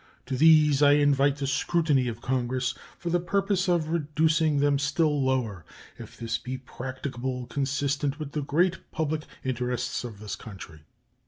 To these I invite the scrutiny of Congress, for the purpose of reducing them still lower, if this be practicable consistent with the great public interests of the country.